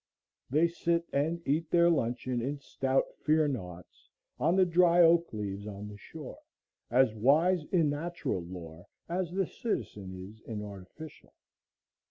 They sit and eat their luncheon in stout fear naughts on the dry oak leaves on the shore, as wise in natural lore as the citizen is in artificial.